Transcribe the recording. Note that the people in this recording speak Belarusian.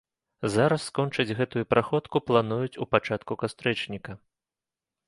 Зараз скончыць гэтую праходку плануюць у пачатку кастрычніка.